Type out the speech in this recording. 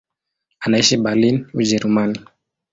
Anaishi Berlin, Ujerumani.